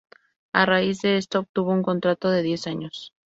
A raíz de esto, obtuvo un contrato de diez años.